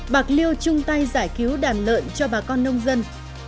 bạc liêu chung tay giải cứu đàn lợn cho bà con nông dân